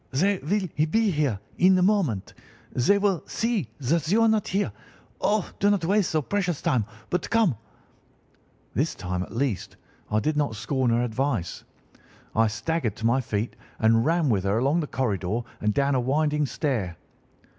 'They will be here in a moment. They will see that you are not there. Oh, do not waste the so precious time, but come!' "This time, at least, I did not scorn her advice. I staggered to my feet and ran with her along the corridor and down a winding stair.